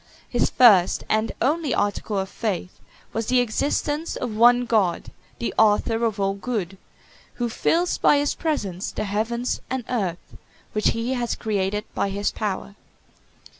His first and only article of faith was the existence of one God, the Author of all good; who fills by his presence the heavens and earth, which he has created by his power.